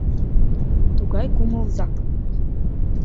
Тугай кумылзак...